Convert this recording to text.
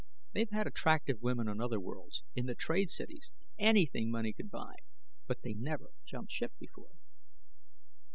They've had attractive women on other worlds in the trade cities, anything money could buy but they never jumped ship before."